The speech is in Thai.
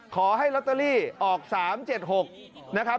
ขอให้ลอตเตอรี่ออก๓๗๖นะครับ